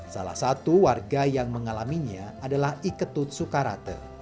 salah satu warga yang mengalaminya adalah iketut sukarate